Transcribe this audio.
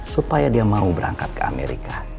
supaya dia mau berangkat ke amerika